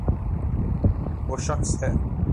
و ہ شخص ہے۔